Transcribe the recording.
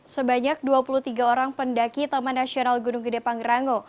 sebanyak dua puluh tiga orang pendaki taman nasional gunung gede pangrango